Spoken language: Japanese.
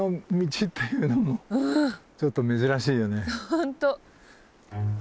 本当。